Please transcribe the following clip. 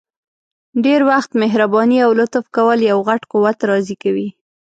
ډير وخت مهرباني او لطف کول یو غټ قوت راضي کوي!